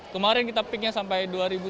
kemarin kita pikirnya sampai dua tujuh ratus